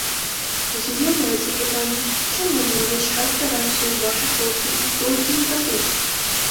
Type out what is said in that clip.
Вось і з'яўляецца пытанне, чаму мы ўвесь час стараемся ўбачыць ва ўсім толькі негатыў?